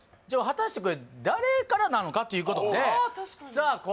じゃあ果たしてこれ誰からなのかということでああ